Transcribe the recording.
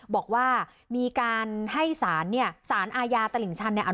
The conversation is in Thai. บอกว่ามีการให้สารเนี่ยสารอาญาตลิ่งชันเนี่ย